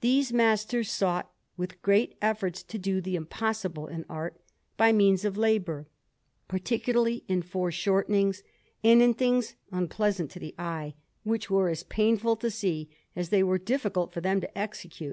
These masters sought with great efforts to do the impossible in art by means of labour, particularly in foreshortenings and in things unpleasant to the eye, which were as painful to see as they were difficult for them to execute.